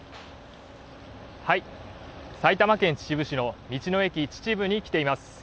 埼玉県秩父市の道の駅ちちぶに来ています。